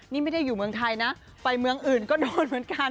นี่ไม่ได้อยู่เมืองไทยนะไปเมืองอื่นก็โดนเหมือนกัน